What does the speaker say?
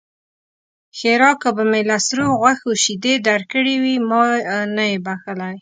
ښېرا: که به مې له سرو غوښو شيدې درکړې وي؛ ما نه يې بښلی.